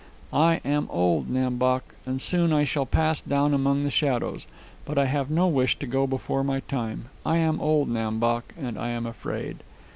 "I am old, Nam Bok, and soon I shall pass down among the shadows. But I have no wish to go before my time. I am old, Nam Bok, and I am afraid."